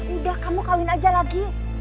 udah kamu kawin aja lagi